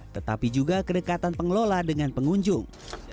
tetapi juga kedekatan pengelola dengan pengunjung